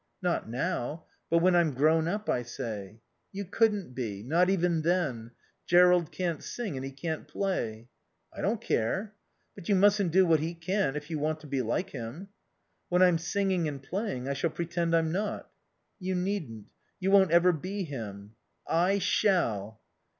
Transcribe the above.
"Not now. But when I'm grown up, I say." "You couldn't be. Not even then. Jerrold can't sing and he can't play." "I don't care." "But you mustn't do what he can't if you want to be like him." "When I'm singing and playing I shall pretend I'm not." "You needn't. You won't ever be him." "I shall."